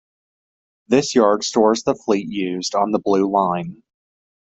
This yard stores the fleet used on the Blue Line.